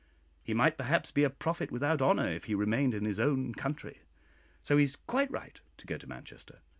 He might perhaps be a prophet without honour if he remained in his own country, so he is quite right to go to Manchester.